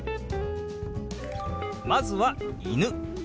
まずは「犬」。